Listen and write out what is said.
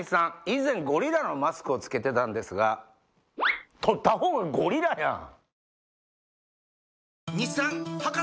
以前ゴリラのマスクを着けてたんですが取ったほうがゴリラやん！